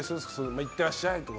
いってらっしゃいとか。